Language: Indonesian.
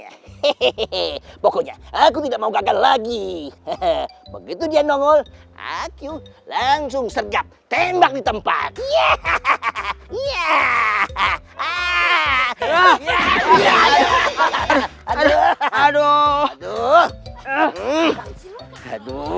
hehehe pokoknya aku tidak mau kagak lagi begitu dia nongol aku langsung sergap tembak di tempatnya